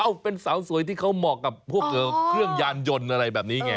เป็นสาวสวยที่เขาเหมาะกับพวกเครื่องยานยนต์อะไรแบบนี้ไง